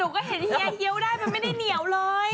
หนูก็เห็นเหนียวได้มันไม่ได้เหนียวเลย